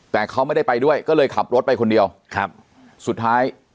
แต่เขาไม่ได้ไปด้วยก็เลยขับรถไปคนเดียวครับสุดท้าย